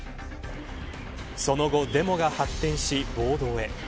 その後デモが発展し、暴動へ。